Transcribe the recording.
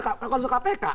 kalau suka kpk